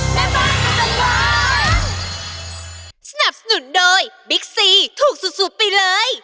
แม่บ้านประจำบาล